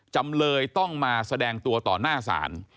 จำเลยต้องมาแสดงตัวต่อหน้าศาล